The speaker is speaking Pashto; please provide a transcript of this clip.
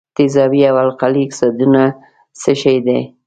تیزابي او القلي اکسایدونه څه شی دي؟